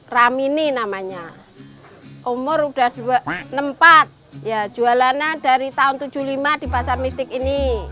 ramini namanya umur udah enam puluh empat ya jualannya dari tahun seribu sembilan ratus tujuh puluh lima di pasar mistik ini